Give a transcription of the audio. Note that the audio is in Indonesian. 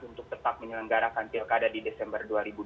untuk tetap menyelenggarakan pilkada di desember dua ribu dua puluh